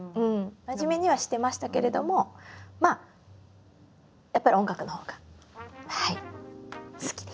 真面目にはしてましたけれどもまあやっぱり音楽のほうがはい好きでした。